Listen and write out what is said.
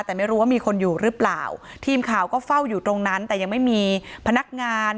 แต่ไม่รู้ว่ามีคนอยู่หรือเปล่าทีมข่าวก็เฝ้าอยู่ตรงนั้นแต่ยังไม่มีพนักงาน